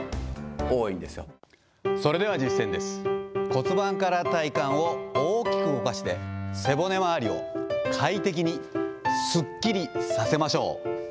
骨盤から体幹を大きく動かして、背骨回りを快適にすっきりさせましょう。